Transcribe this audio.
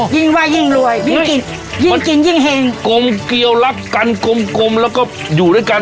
ยิ่งว่ายิ่งรวยยิ่งกินยิ่งมันกินยิ่งเห็งกลมเกลียวรักกันกลมกลมแล้วก็อยู่ด้วยกัน